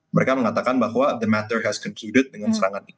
mereka mengatakan bahwa the matter has concluded dengan serangan